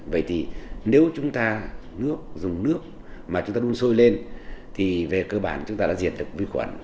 vậy thì nếu chúng ta nước dùng nước mà chúng ta đun sôi lên thì về cơ bản chúng ta đã diệt được vi khuẩn